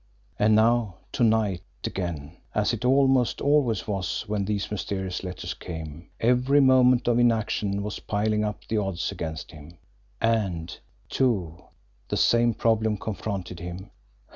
And now to night again, as it almost always was when these mysterious letters came, every moment of inaction was piling up the odds against him. And, too, the same problem confronted him.